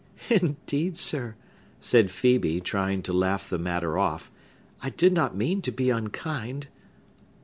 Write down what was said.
"Indeed, sir," said Phœbe, trying to laugh the matter off, "I did not mean to be unkind."